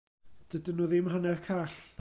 Dydyn nhw ddim hanner call!